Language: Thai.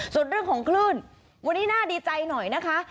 ส่วนเรื่องของคลื่นวันนี้น่าดีใจหน่อยนะคะ